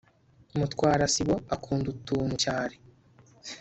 mutwara sibo akunda utuntu cyare